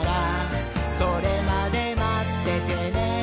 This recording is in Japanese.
「それまでまっててねー！」